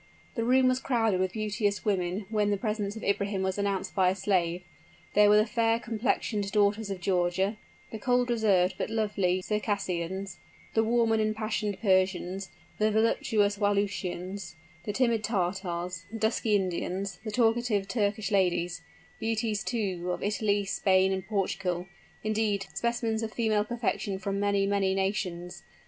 The room was crowded with beauteous women when the presence of Ibrahim was announced by a slave. There were the fair complexioned daughters of Georgia the cold, reserved, but lovely Circassians the warm and impassioned Persians the voluptuous Wallachians the timid Tartars the dusky Indians the talkative Turkish ladies beauties, too, of Italy, Spain, and Portugal indeed, specimens of female perfection from many, many nations.